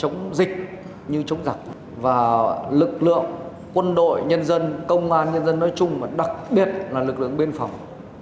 chống dịch như chống giặc và lực lượng quân đội nhân dân công an nhân dân nói chung và đặc biệt là lực lượng biên phòng